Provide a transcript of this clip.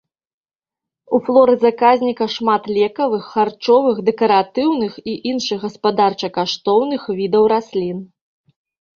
У флоры заказніка шмат лекавых, харчовых, дэкаратыўных і іншых гаспадарча-каштоўных відаў раслін.